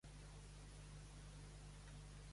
Des de quina època s'usen cranis en aquestes obres?